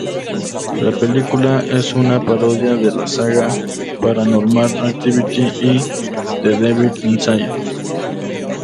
La película es una parodia de la saga "Paranormal Activity" y "The Devil Inside".